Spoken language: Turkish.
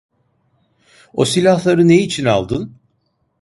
O silahları ne için aldın?